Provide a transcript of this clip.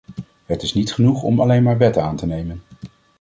Het is niet genoeg om alleen maar wetten aan te nemen.